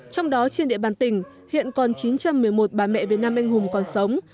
trong đó trên địa bàn tỉnh hiện còn chín trăm một mươi một bà mẹ việt nam anh hùng còn sống